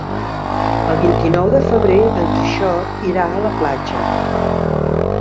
El vint-i-nou de febrer en Quixot irà a la platja.